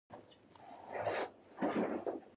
د دې ژبې د ودې او پراختیا لپاره هلې ځلې شوي دي.